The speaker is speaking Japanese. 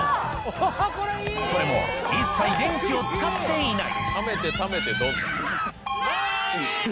これも一切電気を使っていない